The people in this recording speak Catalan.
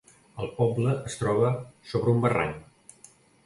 El poble es troba sobre un barranc.